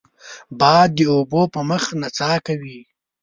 باد د اوبو په مخ نڅا کوي